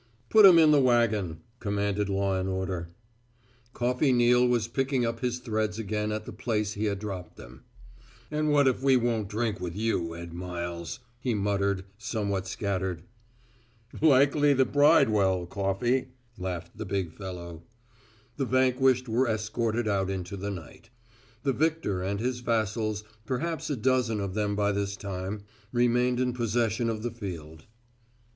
"Put 'em in the wagon," commanded law and order. Coffey Neal was picking up his threads again at the place he had dropped them. "And what if we won't drink with you, Ed Miles!" he muttered, somewhat scattered. "Likely the Bridewell, Coffey," laughed the big fellow. The vanquished were escorted out into the night. The victor and his vassals, perhaps a dozen of them by this time, remained in possession of the field.